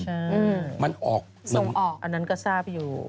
ใช่ส่งออกอันนั้นก็ทราบอยู่